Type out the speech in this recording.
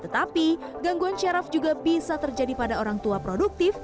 tetapi gangguan syaraf juga bisa terjadi pada orang tua produktif